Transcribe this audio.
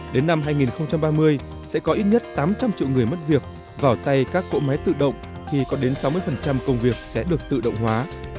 đến năm hai nghìn ba mươi sẽ có ít nhất tám trăm linh triệu người mất việc vào tay các cỗ máy tự động khi có đến sáu mươi công việc sẽ được tự động hóa